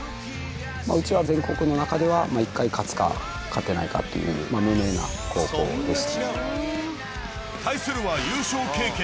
うちは全国の中では１回勝つか勝てないかっていう無名な高校です。